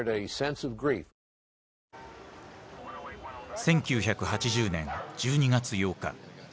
１９８０年１２月８日。